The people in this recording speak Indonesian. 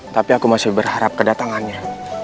tapi aku masih berharap kedatangannya